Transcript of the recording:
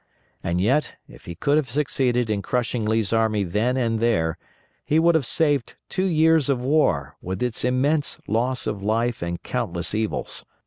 And yet if he could have succeeded in crushing Lee's army then and there, he would have saved two years of war with its immense loss of life and countless evils.